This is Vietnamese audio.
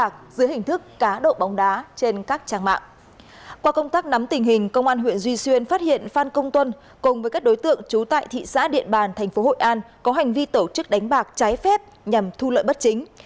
qua công tác nắm tình hình công an huyện duy xuyên phát hiện phan công tuân cùng với các đối tượng trú tại thị xã điện bàn thành phố hội an có hành vi tổ chức đánh bạc trái phép nhằm thu lợi bất chính